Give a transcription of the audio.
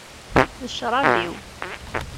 D ccrab-iw.